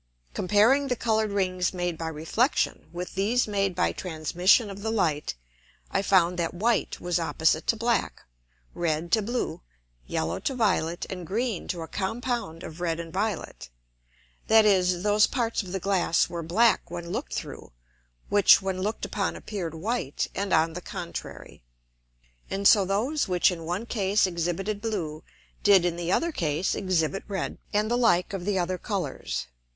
Comparing the colour'd Rings made by Reflexion, with these made by transmission of the Light; I found that white was opposite to black, red to blue, yellow to violet, and green to a Compound of red and violet. That is, those parts of the Glass were black when looked through, which when looked upon appeared white, and on the contrary. And so those which in one case exhibited blue, did in the other case exhibit red. And the like of the other Colours.